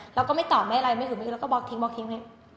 แล้วก็ไม่ตอบไม่อะไรไม่ถึงไม่ถึงแล้วก็บล็อกทิ้งบล็อกทิ้งบล็อกทิ้ง